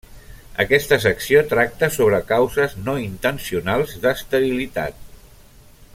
Aquesta secció tracta sobre causes no intencionals d'esterilitat.